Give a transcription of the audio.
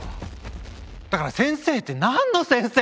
だから先生って何の先生？